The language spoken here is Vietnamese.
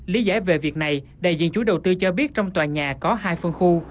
lý giải về việc này đại diện chủ đầu tư cho biết trong tòa nhà có hai phân khu